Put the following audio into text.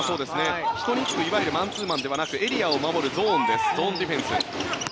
人につくいわゆるマンツーマンではなくエリアを守るゾーンディフェンスです。